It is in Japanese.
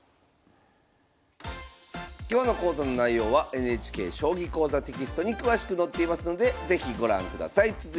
今日の講座の内容はＮＨＫ「将棋講座」テキストに詳しく載っていますので是非ご覧ください。